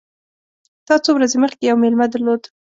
تا څو ورځي مخکي یو مېلمه درلود !